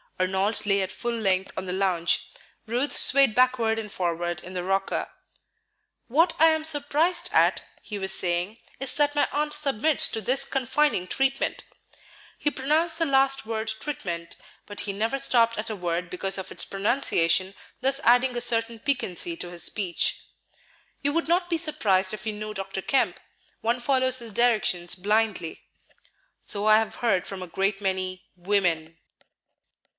Arnold lay at full length on the lounge; Ruth swayed backward and forward in the rocker. "What I am surprised at," he was saying, "is that my aunt submits to this confining treatment;" he pronounced the last word "tritment," but he never stopped at a word because of its pronunciation, thus adding a certain piquancy to his speech. "You would not be surprised if you knew Dr. Kemp; one follows his directions blindly." "So I have heard from a great many women."